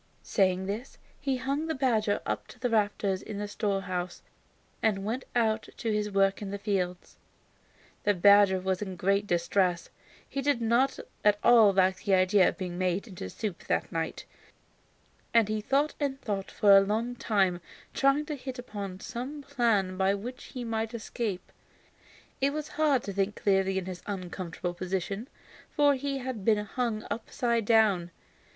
Saying this, he hung the badger up to the rafters of his storehouse and went out to his work in the fields. The badger was in great distress, for he did not at all like the idea of being made into soup that night, and he thought and thought for a long time, trying to hit upon some plan by which he might escape. It was hard to think clearly in his uncomfortable position, for he had been hung upside down.